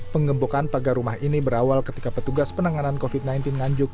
pengembokan pagar rumah ini berawal ketika petugas penanganan covid sembilan belas nganjuk